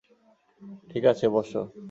ঠিক আছে, বসো।